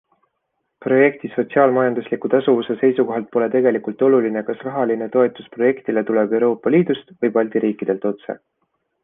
Projekti sotsiaalmajandusliku tasuvuse seisukohalt pole tegelikult oluline, kas rahaline toetus projektile tuleb EL-st või balti riikidelt otse.